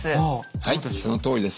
はいそのとおりです。